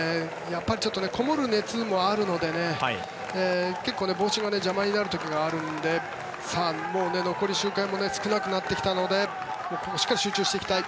ちょっとこもる熱もあるので結構、帽子が邪魔になる時があるのでもう残り周回も少なくなってきたのでしっかり集中していきたい。